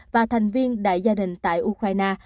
và thành viên đại gia đình tại ukraine